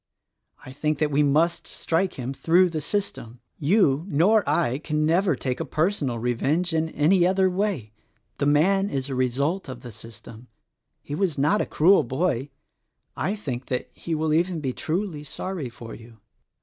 I think that we must strike him through the system. You, nor I, can never take a personal revenge in any other way. The man is the result of the system. He was not a cruel boy. I think that he will even be truly sorry for you."